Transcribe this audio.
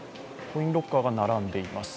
コインロッカーが並んでいます。